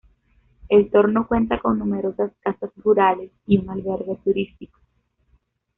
El Torno cuenta con numerosas casas rurales y un albergue turístico.